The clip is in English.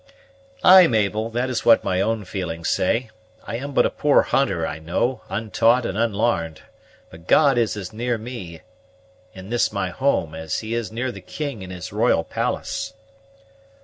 "Ay, Mabel, that is what my own feelings say. I am but a poor hunter, I know, untaught and unlarned; but God is as near me, in this my home, as he is near the king in his royal palace."